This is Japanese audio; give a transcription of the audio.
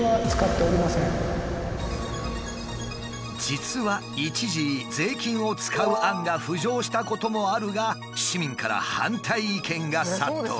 実は一時税金を使う案が浮上したこともあるが市民から反対意見が殺到。